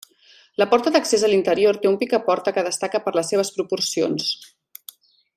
La porta d'accés a l'interior té un picaporta que destaca per les seves proporcions.